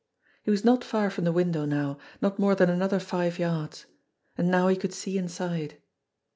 He was not far from the window now, not more than another five yards. And now he could see inside.